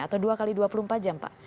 atau dua x dua puluh empat jam pak